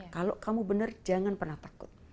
kalau kamu benar jangan pernah takut